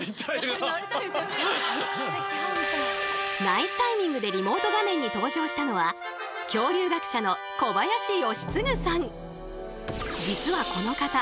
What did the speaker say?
ナイスタイミングでリモート画面に登場したのは実はこの方